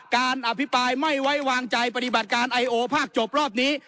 การอภิปรายไม่ไว้วางใจปฏิบัติการไอโอภาคจบรอบนี้